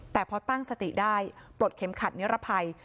แต่พอตั้งสติได้ปลดเข็มขัดนิรภัย